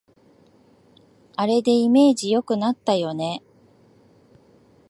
あれでイメージ良くなったよね